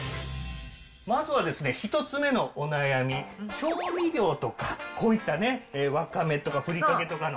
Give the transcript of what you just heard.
まずはですね、１つ目のお悩み、調味料とかこういったね、ワカメとか、ふりかけとかの。